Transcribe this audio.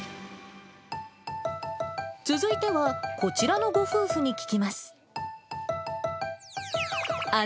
続いてはこちらのご夫婦に聞きます。